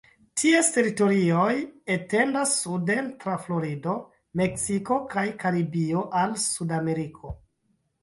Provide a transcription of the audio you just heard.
Ties teritorioj etendas suden tra Florido, Meksiko kaj Karibio al Sudameriko.